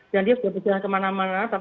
dia sudah berjalan kemana mana